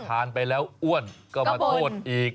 ทานไปแล้วอ้วนก็มาโทษอีก